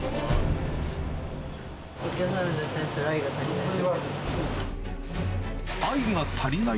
お客様に対する愛が足りない。